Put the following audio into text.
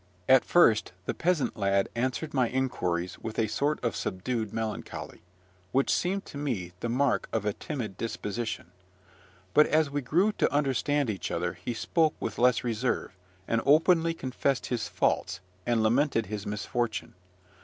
At first the peasant lad answered my inquiries with a sort of subdued melancholy, which seemed to me the mark of a timid disposition; but, as we grew to understand each other, he spoke with less reserve, and openly confessed his faults, and lamented his misfortune.